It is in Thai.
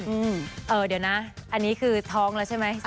เดี๋ยวนะอันนี้คือท้องแล้วใช่ไหม๑๕สัปดาห์